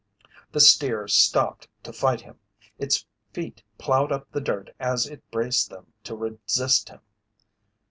The steer stopped to fight him. Its feet ploughed up the dirt as it braced them to resist him.